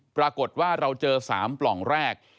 ปรากฏว่าเราเจอ๓ปล่องแรก